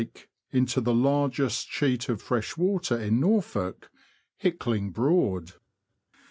dyke, into the largest sheet of fresh water in Norfolk — Hickling Broad.